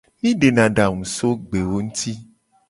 Mi dena adangu so gbewo nguti.